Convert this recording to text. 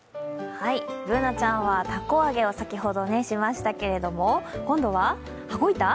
Ｂｏｏｎａちゃんはたこ揚げを先ほどしましたけれども今度は羽子板？